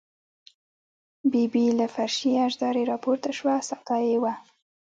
ببۍ له فرشي اشدارې راپورته شوه، سودا یې وه.